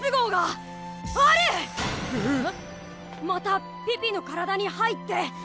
またピピの体に入って。